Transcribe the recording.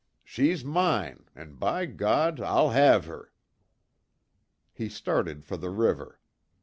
She's mine an' by God, I'll have her!" He started for the river.